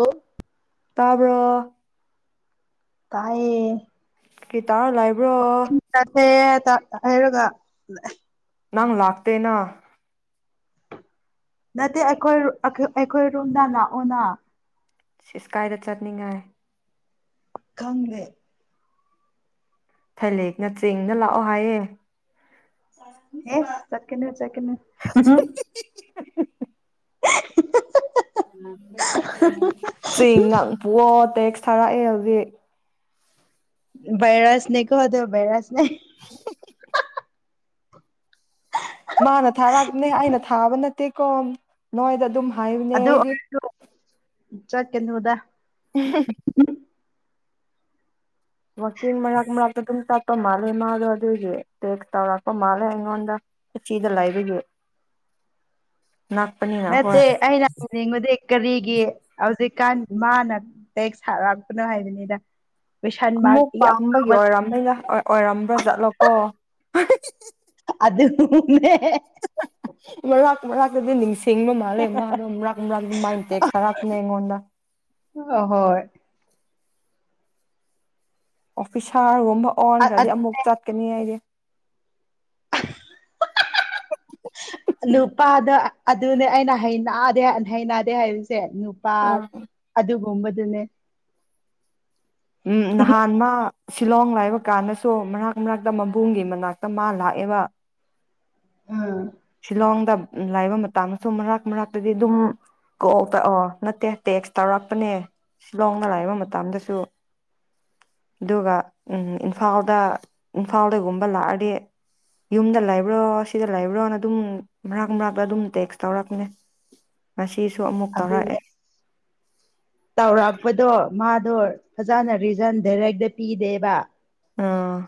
ꯑꯣ ꯇꯥꯕ꯭ꯔꯣ ꯇꯌꯦ ꯇꯥꯔꯨꯅꯣ ꯍꯥꯏꯕ꯭ꯔꯣ ꯇꯥꯏ ꯍꯥꯏꯔꯒ ꯅꯪ ꯂꯥꯛꯇꯦꯅ ꯅꯠꯇꯦ ꯑꯩꯈꯣꯏ ꯑꯩꯈꯣꯏ ꯔꯨꯝꯗ ꯂꯥꯛꯑꯣꯅ ꯏꯁ ꯀꯥꯏꯗ ꯆꯠꯅꯤꯡꯉꯥꯏ ꯈꯪꯗꯦ ꯊꯥꯏꯂꯦꯛꯅ ꯆꯦꯡꯅ ꯂꯥꯛꯑꯣ ꯍꯥꯏꯌꯦ ꯍꯦꯁ ꯆꯠꯀꯅꯨ ꯆꯠꯀꯅꯨ ꯆꯦꯡ ꯉꯛꯄꯑꯣꯠ ꯇꯦꯛꯁ ꯊꯥꯔꯛꯑꯦ ꯍꯧꯖꯤꯛ ꯕꯥꯏꯔꯁꯅꯦꯀꯣ ꯑꯗꯣ ꯕ ꯩꯔꯁ ꯑꯦ ꯃꯥꯅ ꯊꯥꯔꯛꯞꯅꯦ ꯑꯩꯅ ꯊꯥꯕ ꯅꯠꯇꯦꯀꯣ ꯅꯣꯏꯗ ꯑꯗꯨꯝ ꯍꯥꯏꯏꯕꯅꯦ ꯑꯗꯨ ꯑꯩꯗꯤ ꯑꯣꯏꯔꯁꯨ ꯆꯠꯀꯅꯨꯗ [unintelligible] [inaudible] ꯋꯥꯛꯀꯤꯡ ꯃꯔꯛ ꯃꯔꯛꯇ ꯑꯗꯨꯝ ꯆꯠꯄ ꯃꯥꯜꯂꯦ ꯃꯥꯗꯣ ꯑꯗꯨꯒꯤ ꯇꯦꯛꯁ ꯇꯧꯔꯛꯄ ꯃꯥꯜꯂꯦ ꯑꯩꯉꯣꯟꯗ ꯏꯊꯤꯗ ꯂꯩꯕꯒꯤ ꯅꯛꯄꯅꯤꯅ ꯍꯣꯏ ꯅꯠꯇꯦ ꯑꯩꯅ ꯎꯅꯤꯡꯕꯗꯤ ꯀꯔꯤꯒꯤ ꯍꯧꯖꯤꯛꯀꯥꯟ ꯃꯥꯅ ꯇꯦꯛꯁ ꯊꯔꯛꯄꯅꯣ ꯍꯥꯏꯕꯅꯤꯗ ꯀꯣꯏꯁꯟ ꯃꯥꯔꯛ ꯑꯃꯨꯛ ꯌꯥꯝ ꯄꯥꯝꯕꯒꯤ ꯆꯥꯎꯕ ꯑꯣꯏꯔꯝꯅꯤꯗ ꯑꯣꯏꯔꯝꯕ꯭ꯔꯥ ꯖꯥꯠꯂꯣꯀꯣ ꯑꯗꯨꯨꯅꯦ ꯃꯔꯛ ꯃꯅꯥꯛꯇꯗꯤ ꯅꯤꯡꯁꯤ ꯁꯤꯡꯕ ꯃꯥꯜꯂꯦ ꯃꯥꯗꯣ ꯃꯥꯔꯛ ꯃꯥꯔꯛꯃ ꯇꯦꯛꯁ ꯊꯥ ꯔꯛꯑꯝꯅꯦ ꯑꯩꯉꯣꯟꯗ ꯑ ꯍꯣꯏ ꯑꯣꯐꯤꯁꯔ ꯇꯨꯝꯕ ꯑꯣꯟꯈ꯭ꯔꯗꯤ ꯑꯃꯨꯛ ꯆꯠꯀꯅꯤ ꯑꯩꯗꯤ ꯅꯨꯄꯥꯗ ꯑꯗꯨꯅꯦ ꯑꯩꯅ ꯍꯩꯅ ꯍꯩꯅꯗꯦ ꯍꯥꯏꯁꯦ ꯁꯦ ꯅꯨꯄꯥ ꯑꯗꯨꯒ ꯒꯨꯝꯕꯗꯨꯨꯅꯦ ꯎꯝ ꯅꯍꯥꯟ ꯃꯥ ꯁꯤꯂꯣꯡ ꯂꯥꯏꯕ ꯀꯥꯟꯗꯁꯨ ꯃꯔꯛ ꯃꯔꯛꯇ ꯃꯕꯨꯡꯒꯤ ꯃꯅꯥꯛꯇ ꯃꯥ ꯂꯥꯛꯑꯦꯕ ꯑꯝ ꯁꯤꯂꯣꯡꯗ ꯂꯥꯏꯕ ꯃꯇꯝꯗꯁꯨ ꯃꯔꯛ ꯃꯔꯛꯇꯗꯤ ꯑꯗꯨꯝ ꯀ ꯇꯑꯣ ꯅꯠꯇꯦ ꯇꯦꯛꯁ ꯇꯧꯔꯛꯄꯅꯦ ꯁꯤꯂꯣꯡꯗ ꯂꯥꯏꯕ ꯃꯇꯝꯗꯁꯨ ꯃꯥꯔꯛ ꯃꯥꯔꯛꯇꯗꯤ ꯑꯗꯨꯝ ꯀꯣꯛꯇ ꯑꯣ ꯅꯠꯇꯦ ꯇꯦꯛꯁ ꯇꯧꯔꯛꯄꯅꯦ ꯁꯤꯂꯣꯡꯗ ꯂꯩꯕ ꯃꯇꯝꯗꯁꯨ ꯑꯗꯨꯒ ꯎꯝ ꯏꯝꯐꯥꯜꯗ ꯏꯝꯐꯥꯜꯗꯒꯨꯝꯕ ꯂꯥꯛꯑꯗꯤ ꯌꯨꯝꯗ ꯂꯩꯕ꯭ꯔꯣ ꯁꯤꯗ ꯂꯩꯕ꯭ꯔꯣꯅ ꯑꯗꯨꯝ ꯃꯔꯥꯛ ꯃꯔꯥꯛꯛꯇ ꯑꯗꯨꯝ ꯇꯦꯛꯁ ꯇꯧꯔꯛꯄꯅꯦ ꯉꯁꯤꯗꯨ ꯁꯤꯁꯨ ꯑꯃꯨꯛ ꯇꯧꯔꯛꯑꯦ ꯑꯗꯨꯅꯦ ꯇꯧꯔꯛꯄꯗꯣ ꯃꯥ ꯗꯣ ꯐꯖꯅ ꯔꯤꯖꯟ ꯗꯥꯏꯔꯦꯛꯇ ꯄꯤꯗꯦꯕ ꯑꯥ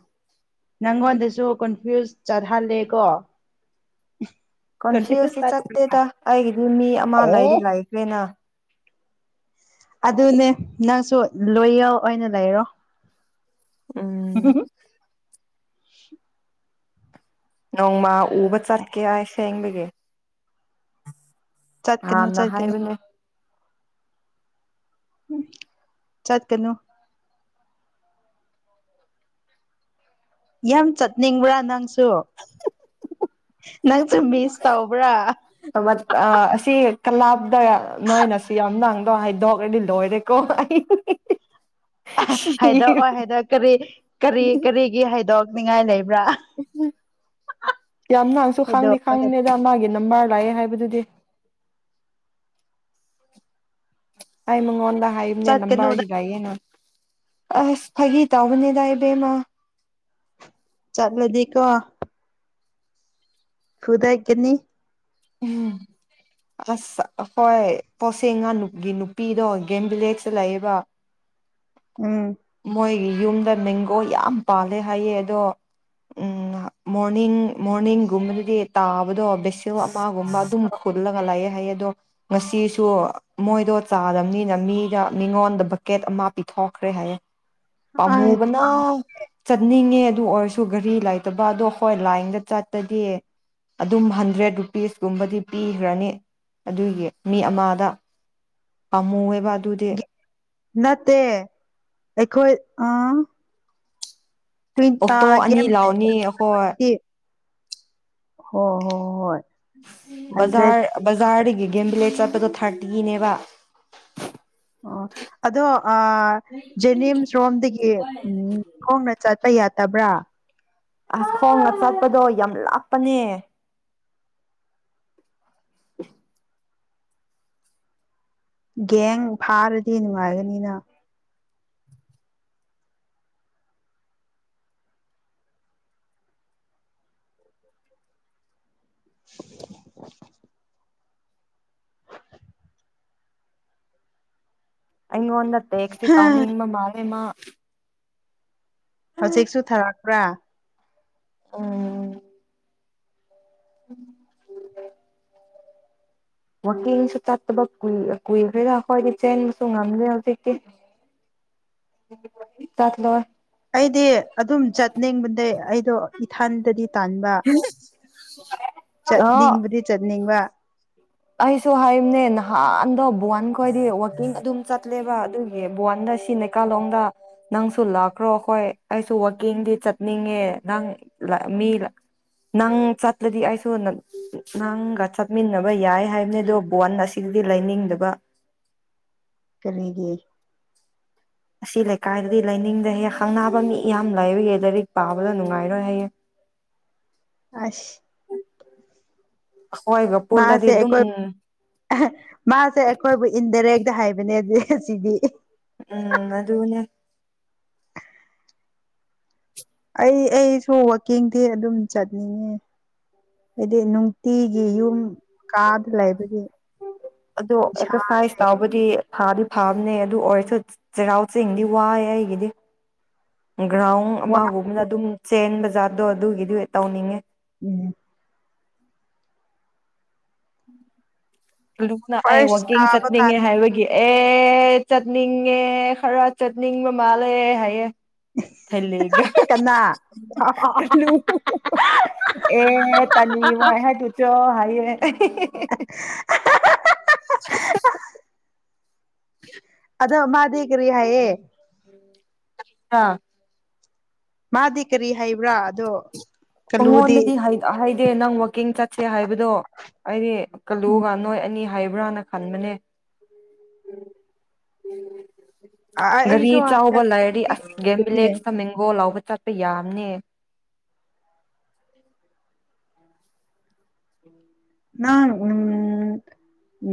ꯅꯪꯉꯣꯟꯗꯁꯨ ꯀꯣꯟꯐ꯭ꯌꯨꯁ ꯆꯠꯍꯜꯂꯦ ꯀꯣ ꯀꯣꯟꯐꯤꯌꯁꯇꯤ ꯆꯠꯇꯦꯗ ꯑꯩꯒꯤꯗꯤ ꯃꯤ ꯑꯃ ꯑꯦ ꯂꯩꯗꯤ ꯂꯩꯈ꯭ꯔꯦꯅ ꯑꯗꯨꯅꯦ ꯅꯪꯁꯨ ꯂꯣꯌꯔ ꯑꯣꯏꯅ ꯂꯩꯔꯣ ꯎꯝ [inaudible] ꯅꯣꯡꯃꯥ ꯎꯕ ꯆꯠꯀꯦꯁꯦ ꯍꯡꯕꯦ ꯆꯠꯀꯅꯨ ꯅꯍꯥꯟꯅ ꯆꯠꯀꯅꯨ ꯍꯥꯏꯕꯅꯦ꯫ ꯎ ꯆꯠꯀꯅꯨ꯫ ꯌꯥꯝ ꯆꯠꯅꯤꯡꯕ꯭ꯔꯥ ꯅꯪ꯫ ꯅꯪꯁꯨ ꯃꯤꯁ ꯇꯧꯕ꯭ꯔꯥ꯫ ꯀꯂꯥꯞꯗ ꯅꯣꯏꯅ ꯁꯤ ꯌꯥꯝ ꯅꯪꯗꯣ ꯍꯥꯏꯗꯣꯛꯔꯗꯤ ꯂꯣꯏꯔꯦꯀꯣ ꯑꯩ꯫ ꯁꯤꯔꯦ ꯍꯥꯏꯗꯣꯛꯑꯣ ꯍꯥꯏꯗ ꯀꯔꯤ ꯀꯔꯤ ꯀꯔꯤꯒꯤ ꯍꯥꯏꯗꯣꯛ ꯛꯅꯤꯡꯉꯥꯏ ꯂꯩꯕ꯭ꯔꯥ꯫ [inaudible] ꯌꯥꯝ ꯅꯥꯡꯁꯨ ꯈꯥꯡꯗꯤ ꯍꯥꯏꯗꯣꯛꯄꯒ ꯈꯥꯡꯕꯅꯦꯗ ꯃꯥꯒꯤ ꯅꯃꯥ ꯂꯥꯛꯑꯦ ꯍꯥꯏꯕꯗꯨꯗꯤ꯫ ꯑꯩ ꯃꯉꫭꯟꯗ ꯏꯅꯦ ꯆꯠꯀꯅꯨꯗ ꯂꯝꯕꯥꯒ ꯌꯦꯦꯅ ꯑꯁ ꯐꯥꯒꯤ ꯇꯧꯕꯅꯦꯗ ꯏꯕꯦꯝꯃ꯫ ꯆꯠꯂꯗꯤꯀꯣ ꯐꯨꯗꯥꯏꯀꯅꯤ ꯎꯝ ꯑꯁ ꯍꯣꯏ ꯄꯣꯠꯁꯦꯡꯉꯥ ꯅꯨꯛꯀꯤ ꯅꯨꯄꯤꯗꯣ ꯒꯦꯝ ꯚꯤꯂꯦꯖꯇ ꯂꯩꯌꯦꯕ꯫ ꯎꯝ ꯃꯣꯏꯒꯤ ꯌꯨꯝꯗ ꯃꯦꯡꯒꯣ ꯌꯥꯝ ꯄꯥꯜꯂꯦ ꯍꯥꯏꯌꯦ ꯑꯗꯣ ꯎꯝ ꯃꯣꯔꯅꯤꯡ ꯃꯣꯔꯅꯤꯡꯒꯨꯝꯕꯗꯗꯤ ꯇꯥꯕꯗꯣ ꯕꯦꯁꯤꯜ ꯋꯥ ꯃꯥꯒꯨꯝꯕ ꯑꯗꯨꯝ ꯈꯨꯜꯂꯒ ꯂꯥꯏꯑꯌꯦ ꯍꯥꯏꯌꯦ꯫ ꯑꯗꯣ ꯉꯁꯤꯁꯨ ꯃꯣꯏꯗꯣ ꯆꯥꯗꯕꯅꯤꯅ ꯃꯤꯗ ꯃꯤꯉꯣꯟꯗ ꯕꯛꯀꯦꯠ ꯑꯃ ꯄꯤꯊꯣꯛꯈ꯭ꯔꯦ ꯍꯥꯏꯌꯦꯦ ꯑꯥꯏ ꯄꯥꯝꯃꯨꯕꯅ ꯆꯠꯅꯤꯡꯑꯦ꯫ ꯑꯗꯨ ꯑꯣꯏꯔꯁꯨ ꯘꯔꯤ ꯂꯩꯇꯕ ꯑꯗꯣ ꯍꯣꯏ ꯂꯥꯏꯟꯗ ꯆꯠꯇꯗꯤ ꯑꯗꯨꯝ ꯍꯟꯗ꯭ꯔꯦꯠ ꯄꯤꯁꯀꯨꯝꯕꯗꯤ ꯄꯤꯈ꯭ꯔꯅꯤ ꯑꯗꯨꯒꯤ ꯃꯤ ꯑꯃꯥꯗ ꯄꯥꯝꯃꯨꯑꯦꯕ꯫ ꯃꯗꯤ ꯅꯠꯇꯦ ꯑꯩꯈꯣꯏ ꯑꯥ ꯇ꯭ꯋꯦꯟ ꯑꯣꯛꯇꯣ ꯑꯥ ꯑꯅꯤ ꯒꯦꯝ ꯂꯥꯎꯅꯤ ꯑꯩꯈꯣꯏ꯫ ꯍꫭ ꯍꯣ ꯍꫭ ꯍꯣꯏ꯫ ꯍꯟꯗ꯭ꯔꯦꯠ ꯕꯖꯥꯔ ꯕꯖꯥꯔꯗꯒꯤ ꯒꯦꯝ ꯚꯤꯂꯦꯖ ꯆꯠ ꯑꯗꯨꯗꯣ ꯊꯥꯔꯇꯤꯒꯤꯅꯦꯕ꯫ ꯑꯣ ꯑꯗꯣ ꯑ ꯖꯦꯅꯤꯝꯁ ꯔꯣꯝꯗꯒꯤ ꯎꯝ ꯈꫭꯡꯅ ꯆꯠꯄ ꯌꯥ ꯇꯕ꯭ꯔꯥ ꯑ ꯈꯣꯡꯅ ꯆꯠꯄꯗꯣ ꯌꯥꯝ ꯂꯥꯞꯄꯅꯦ꯫ [unintelligible] ꯒꯦꯡ ꯐꯥꯔꯗꯤ ꯅꯨꯡꯉꯥꯏꯒꯅꯤꯅ꯫ [unintelligible] ꯑꯩꯉꯣꯟꯗ ꯇꯦꯛꯇꯨ ꯇꯧꯅꯤꯡꯕ ꯃꯥꯂ ꯃꯥ ꯍꯧꯖꯤꯛꯁꯨ ꯊꯥꯔꯛꯄ꯭ꯔꯥ ꯎꯝ ꯎꯝ ꯎꯝ ꯋꯥꯛꯀꯤꯡꯁꯨ ꯆꯠꯇꯕꯏ ꯀꯨꯏꯈ꯭ꯔꯦꯗꯥ ꯑꯩꯈꯣꯏꯗꯤ ꯆꯦꯟꯕꯁꯨ ꯉꯝꯗ꯭ꯔꯦ ꯍꯧꯖꯤꯛꯇꯤ ꯆꯠꯂꯣꯏ ꯑꯩꯗꯤ ꯑꯗꯨꯝ ꯆꯠꯅꯤꯡꯕꯅꯦ ꯑꯩꯗꯣ ꯏꯊꯥꯟꯗꯗꯤ ꯇꯥꯟꯕ ꯑꯣ ꯆꯠꯅꯤꯡꯕꯗꯤ ꯆꯠꯅꯤꯡꯕ ꯑꯩꯁꯨ ꯍꯥꯏꯝꯅꯦ ꯅꯍꯥꯟꯗ ꯕꯣꯟ ꯈꯣꯏꯗꯤ ꯋꯥꯋꯥꯛꯀꯤꯡ ꯑꯗꯨꯝ ꯆꯠꯂꯦꯕ ꯑꯗꯨꯒꯤ ꯕꯣꯟꯗ ꯇꯤꯅꯦꯀꯥꯂꯣꯡꯗ ꯅꯪꯁꯨ ꯂꯥꯛꯈ꯭ꯔꯣ ꯑꯩꯈꯣꯏ ꯑꯩꯁꯨ ꯋꯥꯛꯀꯤꯡꯗꯤ ꯆꯠꯅꯤꯡꯉꯦ ꯅꯪ ꯂ ꯃꯤ ꯅꯪ ꯆꯠꯂꯗꯤ ꯑꯩꯁꯨ ꯅ ꯅꯪꯒ ꯆꯠꯃꯤꯟꯅꯕ ꯌꯥꯏ꯫ ꯍꯥꯏꯕꯅꯦ ꯑꯗꯨꯣ ꯕꯣꯟ ꯑꯁꯤꯗꯗꯤ ꯂꯩꯅꯤꯡꯗꯕ ꯀꯒ ꯑꯁꯤ ꯂꯩꯀꯥꯏꯗꯗꯤ ꯂꯥꯏꯅꯤꯡꯗ ꯍꯌꯦ ꯈꯪꯅꯕ ꯃꯤ ꯌꯥꯝ ꯂꯥꯏꯔꯨꯌꯦ ꯂꯥꯏꯔꯤꯛ ꯄꯥꯕꯗ ꯅꯨꯡꯉꯥꯏꯔꯣꯏ ꯍꯌꯦ ꯑꯁ ꯑꯩꯈꯣꯏꯒ ꯄꯨꯜꯂꯗꯤ ꯃꯥꯁꯦ ꯑꯗꯨꯝ ꯑꯩꯈꯣꯏ ꯃꯥꯁꯦ ꯑꯩꯈꯣꯏꯕꯨ ꯏꯟꯗꯥꯔꯦꯛ ꯍꯥꯏꯕꯅꯦ ꯑꯁꯤꯗꯤ ꯎꯝ ꯑꯗꯨ ꯑꯗꯨꯅꯦ ꯑꯩ ꯑꯩꯁꯨ ꯋꯥꯋꯀꯦꯡꯗꯤ ꯑꯗꯨꯝ ꯆꯠꯅꯤꯡꯉꯦ ꯍꯥꯏꯗꯤ ꯎꯇꯤꯒꯤ ꯌꯨꯝ ꯀꯥꯗ ꯂꯩꯕꯒꯤ ꯑꯗꯣ ꯑꯦꯛꯁꯔꯁꯥꯏꯁ ꯏꯁꯥꯁꯦ ꯇꯧꯕꯗꯤ ꯐꯥꯗꯤ ꯐꯥꯕꯅꯦ ꯑꯗꯨ ꯑꯣꯏꯔꯁꯨ ꯆꯩꯔꯥꯎ ꯆꯦꯡꯗꯤ ꯋꯥꯑꯦ ꯑꯩꯒꯤꯗꯤ꯫ ꯒ꯭ꯔꯥꯎꯟ ꯑꯃꯒꯨꯝꯕꯅ ꯑꯗꯨꯝ ꯆꯦꯟꯕ ꯖꯥꯠꯇꯣ ꯑꯗꯨꯒꯤꯗꯤ ꯇꯧꯅꯤꯡꯉꯦ ꯎꯝ ꯂꯨꯅ ꯑꯩ ꯐꯥꯔꯁ ꯋꯥꯛꯀꯤꯡ ꯇꯥꯕ ꯆꯠꯅꯤꯡꯉꯦ ꯀꯥꯟꯗ ꯍꯥꯏꯕꯒꯤ ꯑꯦ ꯆꯠꯅꯤꯡꯦ ꯈꯔ ꯆꯠꯅꯤꯡ ꯃ ꯃꯥꯂꯦ ꯍꯥꯏꯌꯦ ꯀꯅꯥ ꯊꯦꯂꯒꯂꯨ ꯑꯦ ꯇꯅꯤ ꯃꯣꯏ ꯍꯥꯏ ꯇ ꯆꯣ ꯍꯥꯏꯦ [unintelligible] [unintelligible] ꯅꫭ ꯃꯥꯗꯤ ꯀꯔꯤ ꯍꯥꯏꯌꯦ꯫ ꯑꯥ ꯃꯥꯗꯤ ꯀꯔꯤ ꯍꯥꯏꯕ꯭ꯔꯥ ꯑꯗꯣ ꯀꯜꯂꯨꯗꯤ ꯃꯉꯣꯟꯗꯗꯤ ꯍꯥꯏꯗꯦ ꯅꯪ ꯋꯥꯛꯀꯤꯡ ꯆꯠꯁꯦ ꯍꯥꯏꯕꯗꯣ ꯑꯩꯅꯦ ꯎꯝ ꯀꯜꯂꯨꯒ ꯅꯣꯏ ꯑꯅꯤ ꯍꯥꯏꯕ꯭ꯔꯥꯅ ꯈꯟꯕꯅꯦ ꯒꯥꯔꯤ ꯑꯩꯁꯨ ꯆꯥꯎꯕ ꯂꯩꯥꯏꯔꯗꯤ ꯑꯁ ꯒꯦꯝꯚꯕꯤꯂꯦꯖꯇ ꯃꯦꯡꯒꯣꯜ ꯂꯥꯎꯕ ꯆꯠꯄ ꯌꯥꯝꯅꯤ ꯎꯝ ꯅꯪ ꯎ ꯎ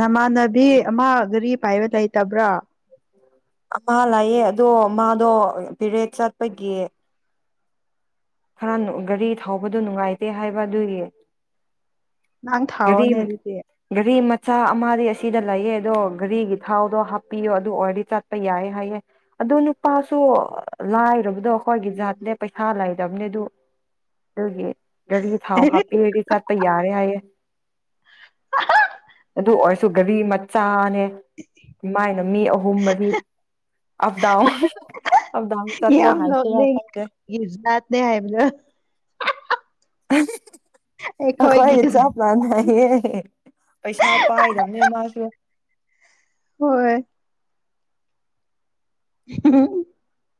ꯅꯃꯥꯟꯅꯕꯤ ꯑꯃ ꯒꯥꯔꯤ ꯄꯥꯏꯕ ꯂꯩꯇꯕ꯭ꯔꯥ ꯑꯃ ꯂꯥꯛꯌꯦꯦ ꯑꯗꯣ ꯃꯥꯗꯣ ꯄꯦꯔꯦꯠ ꯆꯠꯄꯒꯤ ꯈꯔ ꯒꯥꯔꯤ ꯊꯧꯕꯗꯨꯣ ꯅꯨꯡꯉꯥꯏꯇꯦ ꯍꯥꯏꯕ ꯑꯗꯨꯒꯤ ꯅꯪ ꯊꯥꯋꯥꯅꯦ ꯑꯗꯨꯗꯤꯦ ꯆꯥꯛ ꯑꯃꯗꯤ ꯑꯁꯤꯗ ꯂꯩꯌꯦ ꯑꯗꯣ ꯘꯔꯤꯒꯤ ꯊꯥꯎꯗꯣ ꯍꯥꯞꯄꯤꯌꯣ ꯑꯗꯨ ꯑꯣꯏꯔꯗꯤ ꯆꯠꯄ ꯌꯥꯏ ꯍꯥꯏꯌꯦ ꯑꯗꯣ ꯅꯨꯄꯥꯁꯨ ꯂꯥꯏꯔꯨꯕꯗꯣ ꯑꯩꯈꯣꯏꯒꯤ ꯖꯥꯠꯦ ꯄꯩꯁꯥ ꯗꯝꯅꯦꯗꯨꯒꯤ ꯒꯥꯔꯤ ꯊꯥꯎ ꯍꯥꯞꯄꯤꯔꯗꯤ ꯆꯠꯄ ꯌꯥꯔꯦ ꯍꯥꯏꯌꯦꯦ ꯑꯗꯨ ꯑꯣꯏꯔꯁꯨ ꯒꯥꯔꯤ ꯆꯥꯡ ꯃꯥꯏꯅ ꯃꯤ ꯑꯍꯨꯝ ꯃꯔꯤ ꯑꯞꯗꯥꯎꯟ ꯑꯞꯗꯥꯎꯟ ꯆꯠꯂꯣ ꯍꯥꯏꯁ ꯈꯪꯗꯦ ꯦ ꯍꯥꯏꯌꯦꯕꯂ [unintelligible] ꯑꯩꯈꯣꯏꯒꯤ ꯆꯞ ꯃꯥꯟꯅꯍꯦ ꯄꯩꯁꯥ ꯄꯥꯏꯗꯕꯅꯦ ꯃꯥꯁꯨ ꯍꯣꯏꯣꯏ [unintelligible]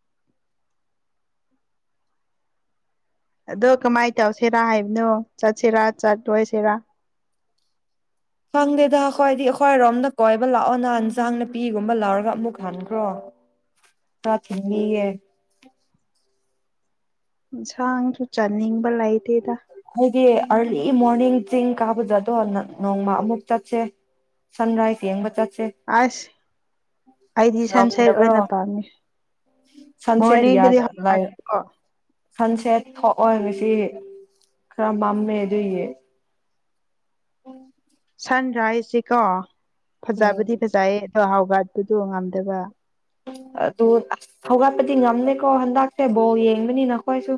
ꯑꯗꯣ ꯀꯃꯥꯏꯅ ꯇꯧꯁꯤꯔꯥ ꯍꯥꯏꯕꯅꯣ ꯆꯠꯁꯤꯔꯥ ꯆꯠꯂꯣꯏꯁꯤꯔꯥ ꯐꯪꯗꯦꯗ ꯑꯩꯈꯣꯏꯗꯤ ꯑꯩꯈꯣꯏꯔꯣꯝꯅ ꯀꯣꯏꯕ ꯂꯥꯛꯑꯣ ꯅꯍꯥꯟꯟꯁꯥꯡ ꯅꯥꯄꯤꯒꯨꯝꯕ ꯂ ꯂꯧꯔꯒ ꯑꯃꯨꯛ ꯍꯟꯈ꯭ꯔꯣ ꯈꯔ ꯊꯤꯟꯕꯤꯒꯦ ꯏꯟꯁꯥꯡꯁꯨ ꯆꯥꯅꯤꯡꯕ ꯂꯩꯇꯦꯗ ꯍꯥꯏꯗꯤ ꯑꯥꯔꯂꯤ ꯃꯣꯔꯅꯤꯡ ꯆꯤꯡ ꯀꯥꯕꯗ ꯑꯗꯣ ꯅꯣꯡꯃ ꯑꯃꯨꯛ ꯆꯠꯁꯦ ꯁꯟꯔꯥꯏꯖ ꯌꯦꯡꯕ ꯆꯠꯁꯦ ꯑꯁ ꯑꯩꯗꯤ ꯁꯟ ꯁꯦꯠ ꯉꯝꯗꯕ꯭ꯔꯣ ꯑꯣꯏꯅ ꯄꯥꯝꯃꯤ ꯃꯣꯔꯅꯤꯡꯗꯗꯤ ꯍꯣ ꯁꯟ ꯁꯦꯠ ꯊꯣꯛꯑꯣꯏꯕꯁꯤ ꯈꯔꯝꯕꯃꯦ ꯑꯗꯨꯌꯦ ꯁꯟ ꯔꯥꯏꯁꯁꯤꯀꯣ ꯎꯝ ꯐꯖꯕꯗꯤ ꯐꯖꯩꯌꯦ ꯆꯥꯛꯍꯥꯎꯒꯠꯄꯗꯣ ꯉꯝꯗꯕ ꯑꯗꯨ ꯍꯧꯒꯠꯄꯗꯤ ꯉꯝꯃꯦꯀꯣ ꯍꯟꯗꯛꯁꯦ ꯕꯣꯜ ꯌꯦꯡꯕꯅꯤ ꯅꯈꯣꯏꯁꯨ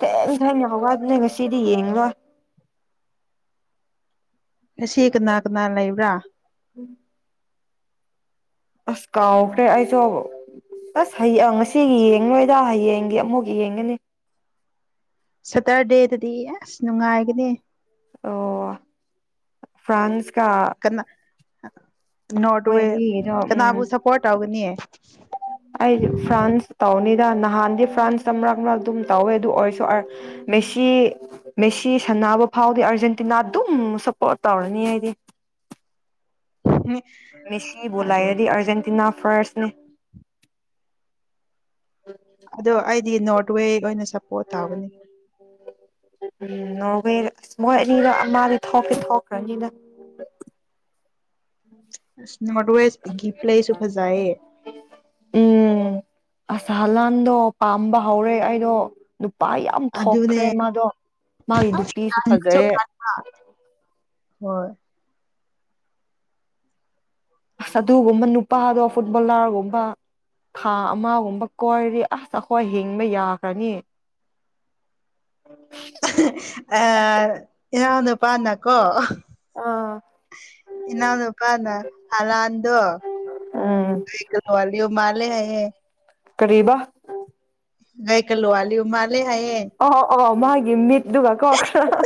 ꯊꯦꯟ ꯊꯥꯏꯅ ꯍꯧꯒꯠꯄꯅꯦ ꯉꯁꯤꯗꯤ ꯌꯦꯡꯂꯡꯣꯏ ꯁꯤ ꯀꯅꯥ ꯀꯅꯥ ꯂꯩ [unintelligible] ꯑꯁ ꯀꯥꯎꯈ꯭ꯔꯦ ꯑꯩꯁꯨ ꯑꯁ ꯍꯌꯦꯡ ꯉꯁꯤꯒꯤ ꯌꯦꯡ ꯂꯣꯏꯗ ꯍꯌꯦꯡꯒꯤ ꯑꯃꯨꯛ ꯌꯦꯡꯒꯅꯤ ꯁꯇꯔꯗꯦꯗꯗꯤ ꯑꯁ ꯅꯨꯡꯉꯥꯏꯒꯅꯤ ꯑꯣ ꯐ꯭ꯔꯥꯟꯁ ꯀꯅꯥ ꯃꯣꯏ ꯅꯣꯗꯋꯦ ꯀꯅꯥꯕꯨ ꯁꯞꯄꯣꯔꯠ ꯇꯧꯒꯅꯤꯌꯦ ꯑꯩ ꯐ꯭ꯔꯥꯟꯁ ꯇꯥꯎꯅꯤ ꯅꯍꯥꯟꯗꯤ ꯐ꯭ꯔꯥꯟꯁꯇ ꯃꯔꯛ ꯃꯔꯛ ꯑꯗꯨꯝ ꯇꯧꯋꯦ ꯑꯗꯨ ꯑꯣꯏꯔꯁꯨ ꯃꯦꯁꯤ ꯃꯦꯁꯤ ꯁꯥꯟꯅꯕ ꯐꯥꯎꯗꯤ ꯑꯥꯔꯖꯦꯟꯇꯤꯅꯥ ꯑꯗꯨꯝ ꯁꯞꯄꯣꯔꯠ ꯇꯧꯔꯅꯤ ꯍꯥꯏꯗꯤ ꯃꯦꯁꯤ ꯑꯗꯨ ꯣꯂꯥꯏꯗꯤ ꯑꯔꯖꯦꯟꯇꯤꯅꯥ ꯐꯥꯁ [unintelligible] ꯑꯗꯣ ꯑꯩꯗꯤ ꯅꯣꯔꯠ ꯋꯦ ꯑꯣꯏꯅ ꯆꯠꯄ ꯅꯕꯔ ꯃꯣꯏ ꯑꯅꯤꯗꫭ ꯃꯥꯗꯤ ꯊꯣꯛꯇꯤ ꯊꫭꯛ ꯊꯈ꯭ꯔꯅꯤꯗ ꯑꯁ ꯣꯋꯦ [unintelligible] ꯒꯤ ꯄ꯭ꯂꯁꯨ ꯐꯖꯑꯌꯦ ꯑꯁꯍꯂꯥꯟꯗꯣ ꯄꯥꯝꯕ ꯍꯧꯔꯦ ꯑꯩꯗꯣ ꯅꯞ ꯅꯨꯄꯥꯥ ꯌꯥꯝ ꯑꯗꯨꯅꯦ ꯊꯣꯛꯈ꯭ꯔꯦ ꯃꯥꯗꯣ ꯃꯥꯒꯤ ꯑꯁ ꯅꯨꯄꯤꯁꯨ ꯀꯟꯁꯨ ꯐꯖꯩꯌ‌ꯦ ꯀꯟ ꯍꯣꯏ ꯑꯁ ꯑꯗꯨꯒꯨꯝꯕ ꯅꯨꯄꯥꯗꯣ ꯐꯨꯠꯕꯣꯂꯥꯔꯒꯨꯝꯕ ꯊꯥ ꯑꯃꯒꯨꯝꯕ ꯀꯣꯏꯔꯤ ꯑꯁ ꯑꯩꯈꯣꯏ ꯍꯤꯡꯕ ꯌꯥꯈ꯭ꯔꯅꯤ ꯑꯥ ꯏꯅ꯭ꯥꯎ ꯅꯨꯄꯥꯅ ꯀꯣ ꯑꯥ ꯏꯅꯥꯅ ꯀꯅ ꯍꯥꯂꯗꯣ ꯎꯝ ꯃꯥꯂꯦ ꯍꯥꯏꯌꯦꯦ ꯀꯔꯤꯕꯥ ꯥꯏ ꯀꯜꯂꯣꯋꯥꯂꯤ ꯃꯥ ꯂꯦ ꯍꯥꯏꯌꯦ ꯑꯧ ꯑꯧ ꯃꯥꯒꯤ ꯃꯤꯠ ꯑꯗꯨꯒꯒꯥ ꯀꯣ ꯈꯔꯥ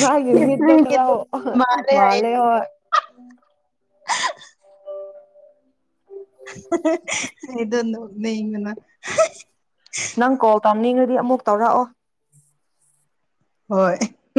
ꯃꯥꯒꯤ ꯃꯤꯠꯇꫭ ꯈꯔꯥ ꯃꯥꯜꯂꯦ ꯍꯥꯏꯌꯦ ꯃꯥꯂꯦ ꯍꯥꯏꯕ ꯑꯥꯏꯗꫭꯟꯅꫭ ꯂꯩ ꯏ ꯉꯅ [unintelligible] ꯅꯪ ꯀꫭꯜ ꯇꯧꯅꯤꯡ ꯑꯗꯨ ꯑꯃꯨꯛ ꯇꯧꯔꯛꯑꯣ ꯍꯣꯏ